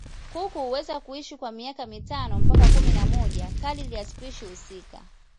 Kuku huweza kuishi kwa miaka mitano mpaka kumi na moja kadiri ya spishi husika.